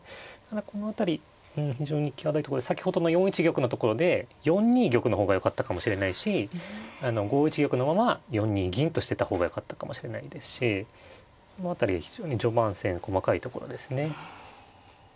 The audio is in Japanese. この辺りうん非常に際どいとこで先ほどの４一玉のところで４二玉の方がよかったかもしれないし５一玉のまま４二銀としてた方がよかったかもしれないですしこの辺りが非常に序盤戦細かいところですね。